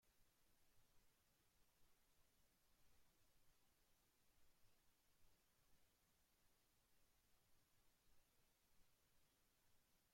Factorización polinómica es una de las herramientas fundamentales de los sistemas de álgebra computacional.